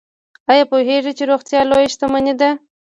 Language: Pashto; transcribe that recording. ایا پوهیږئ چې روغتیا لویه شتمني ده؟